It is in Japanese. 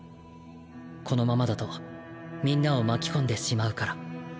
このままだとみんなを巻き込んでしまうから。